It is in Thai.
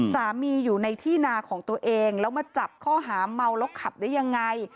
อยู่ในที่นาของตัวเองแล้วมาจับข้อหาเมาแล้วขับได้ยังไง